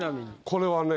これはね